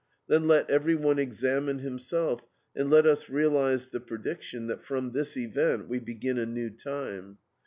Then let everyone examine himself, and let us realize the prediction that from this event we begin a new time.